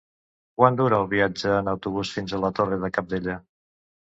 Quant dura el viatge en autobús fins a la Torre de Cabdella?